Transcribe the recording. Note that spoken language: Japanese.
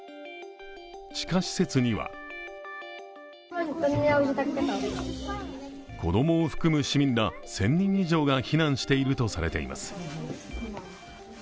地下施設には子供を含む市民ら１０００人以上が避難しているとされています。